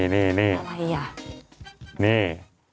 นี่